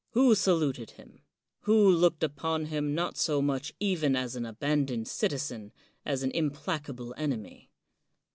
who saluted him ? who looked upon him not so much even as an abandoned citizen, as an implacable enemy!